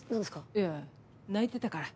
いや泣いてたから。